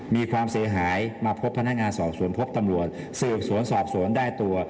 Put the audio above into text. มีความเสียหายมาพบพนักงานสอบสวนพบตำรวจสืบสวนสอบสวนได้ตัว